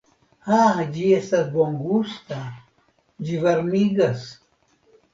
Ha, ĝi estas bongusta, ĝi varmigas!